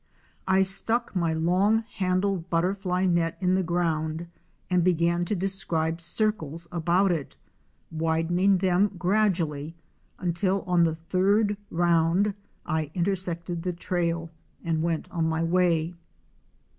I stuck my long handled butterfly net in the ground and began to describe circles about it — widening them gradually, until on the third round I inter sected the trail and went on my way.